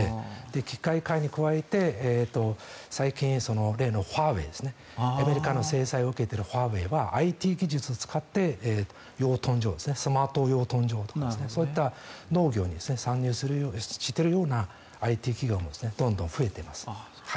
機械化に加えて最近、例のファーウェイですねアメリカの制裁を受けているファーウェイはＩＴ技術を使って養豚場をスマート養豚場がそういった農業に参入しているようなＩＴ企業もどんどん増えています。